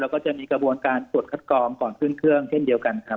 แล้วก็จะมีกระบวนการตรวจคัดกรองก่อนขึ้นเครื่องเช่นเดียวกันครับ